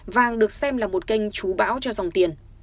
vàng được xem là một kênh chú bão cho dòng tiền